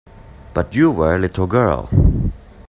But you were a little girl.